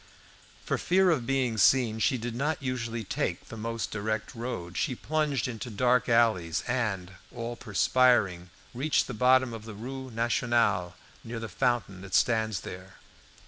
For fear of being seen, she did not usually take the most direct road. She plunged into dark alleys, and, all perspiring, reached the bottom of the Rue Nationale, near the fountain that stands there.